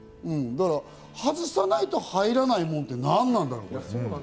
だから外さないと入らないものって何なんだろうって。